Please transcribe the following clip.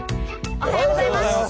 おはようございます。